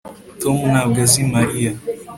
tom ntabwo azi mariya